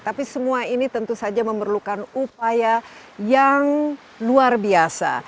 tapi semua ini tentu saja memerlukan upaya yang luar biasa